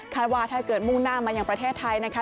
ว่าถ้าเกิดมุ่งหน้ามายังประเทศไทยนะคะ